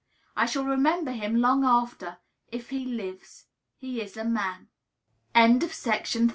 I shall remember him long after (if he lives) he is a man! A Genius For Affection.